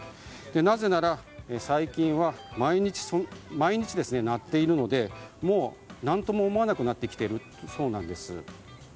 なぜなら、最近は毎日鳴っているのでもう何とも思わなくなってきているそうなんです。